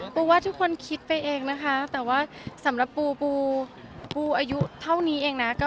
ปูว่าทุกคนคิดไปเองนะคะแต่ว่าสำหรับปูปูปูอายุเท่านี้เองนะ